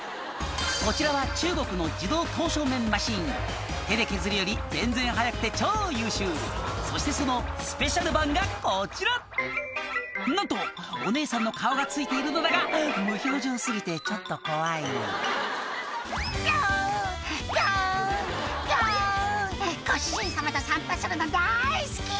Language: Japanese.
こちらは中国の手で削るより全然早くて超優秀そしてそのスペシャル版がこちらなんとお姉さんの顔がついているのだが無表情過ぎてちょっと怖い「ピョンピョンピョン」「ご主人様と散歩するの大好き！」